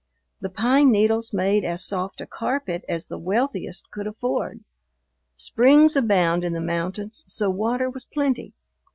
The pine needles made as soft a carpet as the wealthiest could afford. Springs abound in the mountains, so water was plenty.